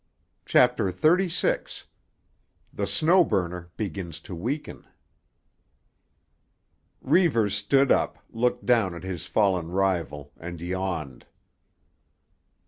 CHAPTER XXXVI—THE SNOW BURNER BEGINS TO WEAKEN Reivers stood up, looked down at his fallen rival and yawned.